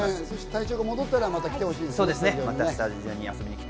体調が戻ったらまた来てほしいですね。